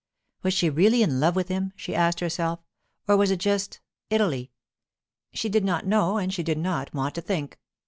Was she really in love with him, she asked herself, or was it just—Italy? She did not know and she did not want to think.